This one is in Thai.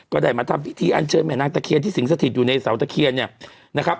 ก็ได้มาทำพิธีอันเชิญแม่นางตะเคียนที่สิงสถิตอยู่ในเสาตะเคียนเนี่ยนะครับ